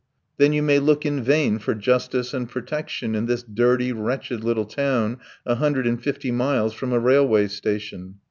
Then you may look in vain for justice and protection in this dirty, wretched little town a hundred and fifty miles from a railway station!